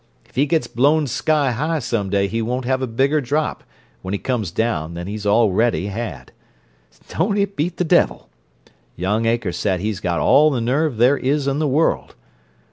If he gets blown sky high some day he won't have a bigger drop, when he comes down, than he's already had! Don't it beat the devil! Young Akers said he's got all the nerve there is in the world.